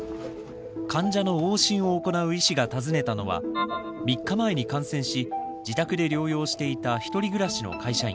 患者の往診を行う医師が訪ねたのは３日前に感染し自宅で療養していた１人暮らしの会社員。